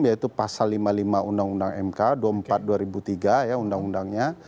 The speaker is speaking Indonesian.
yaitu pasal lima puluh lima undang undang mk